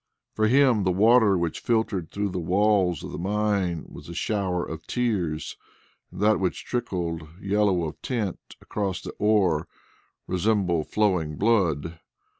For him the water which filtered through the walls of the mine was a shower of tears, and that which trickled, yellow of tint, across the ore resembled flowing blood.